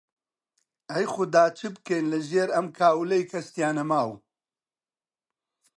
ئەی خودا چ بکەین لەژێر ئەم کاولەی کەس تیا نەماو؟!